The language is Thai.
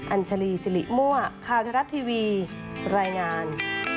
อัญชลีสิริมั่วข่าวทรัฐทีวีรายงาน